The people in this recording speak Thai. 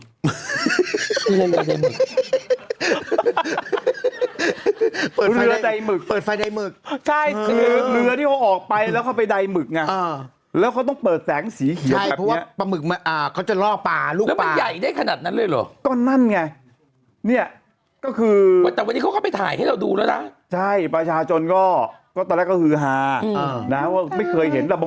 เค้าก็มีการส่งเลขให้มันเป็นแบบ